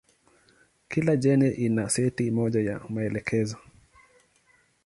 Kila jeni ina seti moja ya maelekezo.